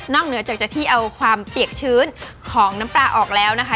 เหนือจากจะที่เอาความเปียกชื้นของน้ำปลาออกแล้วนะคะ